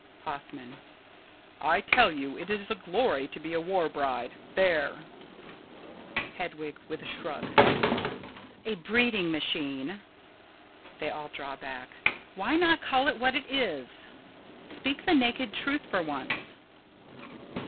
Hoffman: I tell you it is a glory to be a war bride. There! Hedwig: [With a shrug.] A breeding machine! [They all draw back.] Why not call it what it is? Speak the naked truth for once.